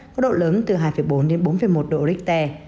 có độ lớn từ hai bốn đến bốn một độ richter